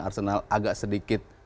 arsenal agak sedikit